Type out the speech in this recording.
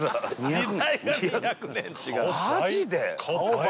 マジで？